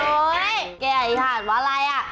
โอ้ยแกอธิษฐานว่าอะไร